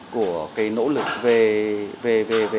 của cái nỗ lực về